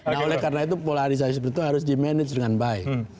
nah oleh karena itu polarisasi seperti itu harus di manage dengan baik